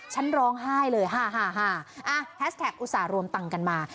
ฉันร้องไห้เลยฮ่าแฮชแท็กอุตส่าห์รวมตังค์กันมา